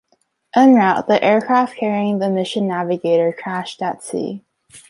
En route the aircraft carrying the mission navigator crashed at sea.